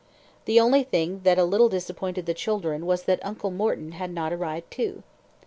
The only thing that a little disappointed the children was that "Uncle Morton" had not arrived too.